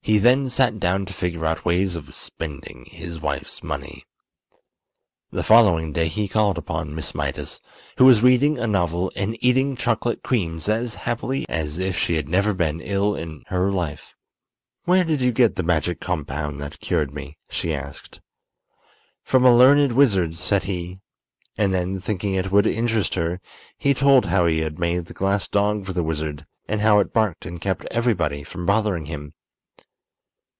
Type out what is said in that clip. He then sat down to figure out ways of spending his wife's money. The following day he called upon Miss Mydas, who was reading a novel and eating chocolate creams as happily as if she had never been ill in her life. "Where did you get the magic compound that cured me?" she asked. "From a learned wizard," said he; and then, thinking it would interest her, he told how he had made the glass dog for the wizard, and how it barked and kept everybody from bothering him.